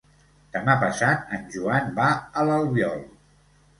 Demà passat en Joan va a l'Albiol.